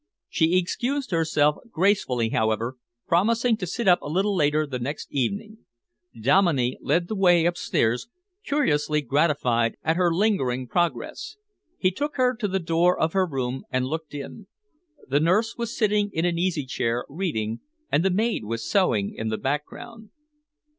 She excused herself gracefully, however, promising to sit up a little later the next evening. Dominey led the way upstairs, curiously gratified at her lingering progress. He took her to the door of her room and looked in. The nurse was sitting in an easy chair, reading, and the maid was sewing in the background.